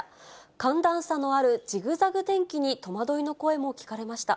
寒暖差のあるジグザグ天気に戸惑いの声も聞かれました。